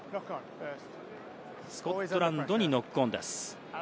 スコットランドにノックオンです。